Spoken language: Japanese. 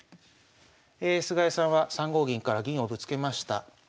菅井さんは３五銀から銀をぶつけました。